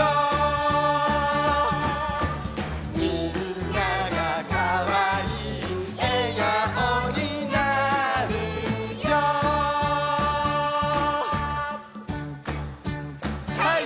「みんながかわいいえがおになるよ」「ハイ！